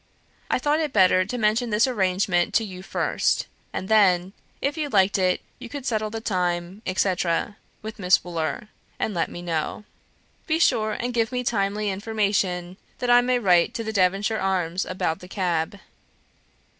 I thought it better to mention this arrangement to you first, and then, if you liked it, you could settle the time, etc., with Miss Wooler, and let me know. Be sure and give me timely information, that I may write to the Devonshire Arms about the cab.